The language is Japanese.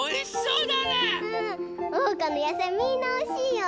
おうかのやさいみんなおいしいよ。